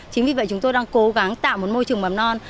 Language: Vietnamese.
chính vì vậy chúng tôi đang cố gắng tạo một môi trường mầm non